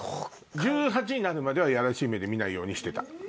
１８になるまではやらしい目で見ないようにしてた。